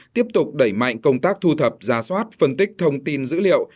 tiếp tục đẩy mạnh công tác thu thập giá soát phân tích thông tin dữ liệu